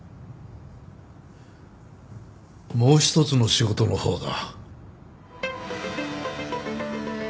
もう一つの仕事の方だ